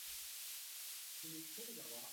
Many hill roads in Japan bear the name "Shiomizaka".